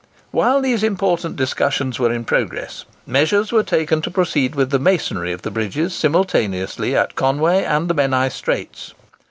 While these important discussions were in progress, measures were taken to proceed with the masonry of the bridges simultaneously at Conway and the Menai Straits.